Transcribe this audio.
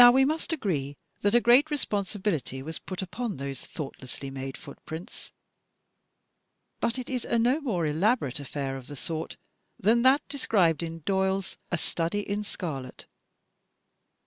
Now we must agree that a great responsibility was put upon those thoughtlessly made footprints. But it is a no more elaborate afiFair of the sort than that described in Doyle's "A Study in Scarlet."